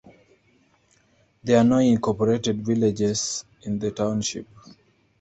There are no incorporated villages in the township.